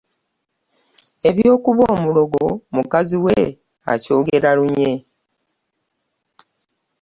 Eky'okuba omulogo mukazi we akyogera lunye.